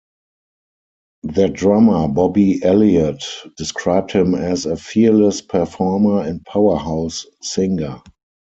Their drummer Bobby Elliott described him as "a fearless performer and powerhouse singer".